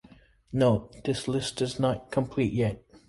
Note: This list is not complete yet.